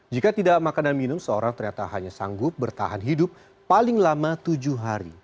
jika tidak makan dan minum seorang ternyata hanya sanggup bertahan hidup paling lama tujuh hari